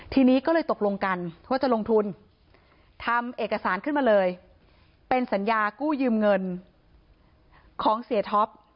ทีนี้ก็เลยตกลงกันว่าจะลงทุนทำเอกสารขึ้นมาเลยเป็นสัญญากู้ยืมเงินของเสียท็อป